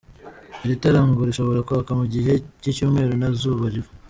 Iri tara ngo rishobora kwaka mu gihe cy’icyumweru nta zuba riva.